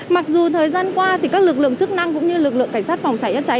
mặc dù thời gian qua thì các lực lượng chức năng cũng như lực lượng cảnh sát phòng cháy